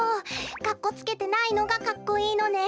かっこつけてないのがかっこいいのね。